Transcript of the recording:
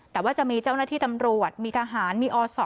แต่ว่าจะมีเจ้าหน้าที่ตำรวจมีทหารมีอศ